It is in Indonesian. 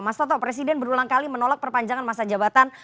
mas toto presiden berulang kali menolak perpanjangan masa jabatan